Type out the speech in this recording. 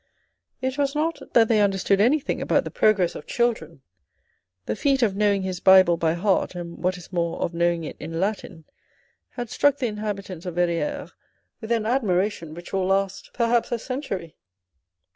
It was not that they understood anything about the progress of children. The feat of knowing his Bible by heart, and what is more, of knowing it in Latin, had struck the inhabitants of Verrieres with an admiration which will last perhaps a century.